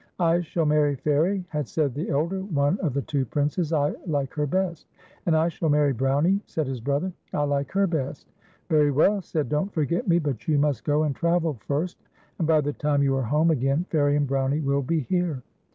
" I shall marry Fairie," had said the elder one of the two Princes, " I like her best." "And I shall marry Brownie," said his brother, "I like her best." "Very well," said Don't Forget Me ; "but you must go and travel first, and by the time you are home again, Fairie and Brownie will be here."